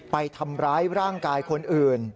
ไปทำร้ายร่างกายคนอื่น